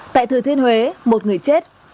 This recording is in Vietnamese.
tại thừa thiên huế một người chết